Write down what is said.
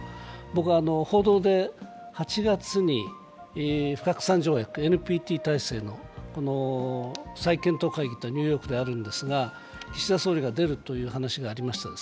僕は報道で８月に不拡散条約、ＮＰＴ体制の再検討会議がニューヨークであるんですが、岸田総理が出るという話がありました。